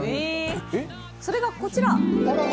それがこちら。